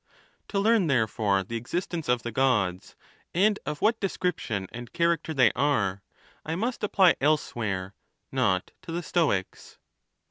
To learn, therefore, the existence of the Gods, and of what description and char acter they are, I must apply elsewhere, not to the Stoics.